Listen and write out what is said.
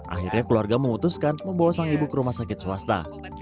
akhirnya keluarga memutuskan membawa sang ibu ke rumah sakit swasta